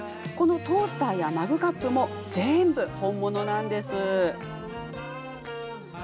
このトースターやマグカップも全部本物なんです。